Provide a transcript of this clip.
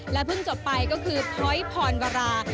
เพิ่งจบไปก็คือพ้อยพรวรา